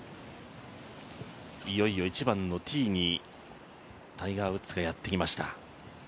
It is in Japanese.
いよいよ１番のティーにタイガー・ウッズがやってきました。